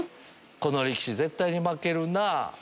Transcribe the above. この力士絶対に負けるなぁ。